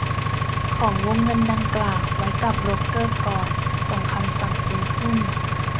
ของวงเงินดังกล่าวไว้กับโบรกเกอร์ก่อนส่งคำสั่งซื้อหุ้น